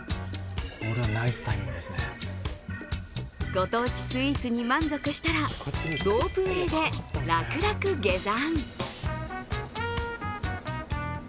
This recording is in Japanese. ご当地スイーツに満足したらロープウェイで楽々下山。